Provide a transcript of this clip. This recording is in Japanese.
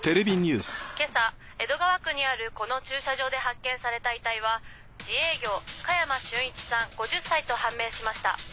今朝江戸川区にあるこの駐車場で発見された遺体は自営業加山俊一さん５０歳と判明しました。